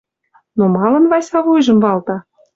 Ну, малын Вася вуйжым валта?